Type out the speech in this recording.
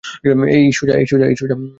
এই, সুজা!